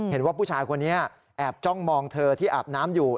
เห็นว่าผู้ชายคนนี้แอบจ้องมองเธอที่อาบน้ำอยู่